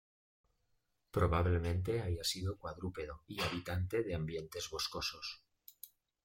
Probablemente haya sido cuadrúpedo y habitante de ambientes boscosos.